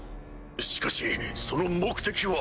しかしその目的は？